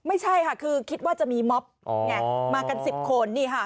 ไม่ใช่ค่ะคือคิดว่าจะมีม็อบมากัน๑๐คน